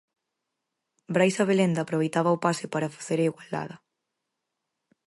Brais Abelenda aproveitaba o pase para facer a igualada.